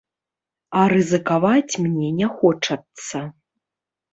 А рызыкаваць мне не хочацца.